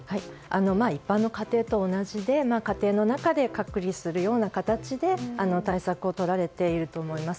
一般の家庭と同じで家庭の中で隔離するような形で対策をとられていると思います。